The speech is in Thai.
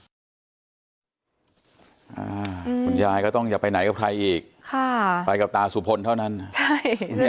คุณยายก็ต้องอย่าไปไหนกับใครอีกค่ะไปกับตาสุพลเท่านั้นใช่